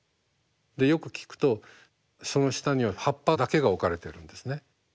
でよく聞くとその下には葉っぱだけが置かれてるんですね。